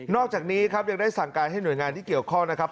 อกจากนี้ครับยังได้สั่งการให้หน่วยงานที่เกี่ยวข้องนะครับ